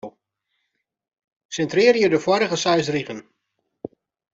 Sintrearje de foarige seis rigen.